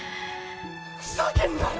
ふざけんなよ！